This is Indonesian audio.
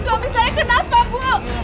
suami saya kenapa bu